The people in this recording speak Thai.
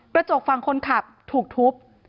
กระจกฝั่งคนขับถูกทุบ